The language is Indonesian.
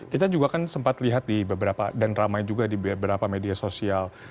kita juga kan sempat lihat di beberapa dan ramai juga di beberapa media sosial